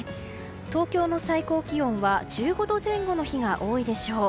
東京の最高気温は１５度前後の日が多いでしょう。